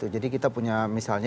jadi kita punya misalnya